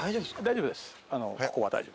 大丈夫です。